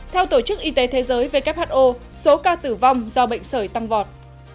theo tổ chức y tế thế giới who số ca tử vong do bệnh sởi tăng vọt